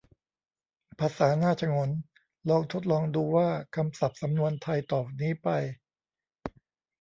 ภาษาน่าฉงน : ลองทดลองดูว่า คำศัพท์ สำนวนไทยต่อนี้ไป